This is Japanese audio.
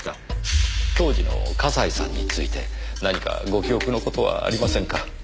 当時の笠井さんについて何かご記憶の事はありませんか？